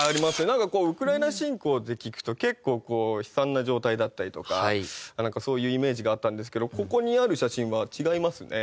なんかウクライナ侵攻って聞くと結構悲惨な状態だったりとかそういうイメージがあったんですけどここにある写真は違いますね。